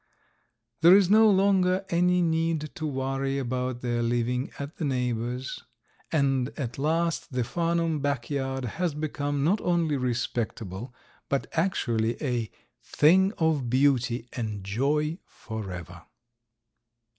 There is no longer any need to worry about their living at the neighbors; and at last the Farnum back yard has become not only respectable, but actually a "thing of beauty and joy forever."